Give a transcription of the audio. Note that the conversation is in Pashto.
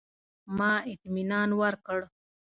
ما اطمنان ورکړ.